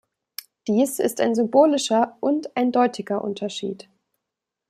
Dies ist ein symbolischer und eindeutiger Unterschied.